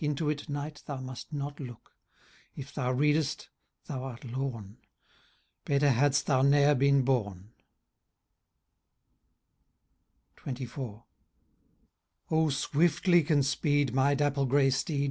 Into it. Knight, thou must not look ; If thou readest, thou art lorn ! Better had'st thou ne'er been bom." XXIV. •• O swiftly can speed my dapple grey steed.